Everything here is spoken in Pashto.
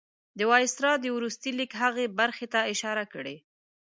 د وایسرا د وروستي لیک هغې برخې ته اشاره کړې.